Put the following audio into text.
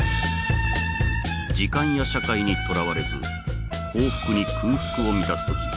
時間や社会にとらわれず幸福に空腹を満たすとき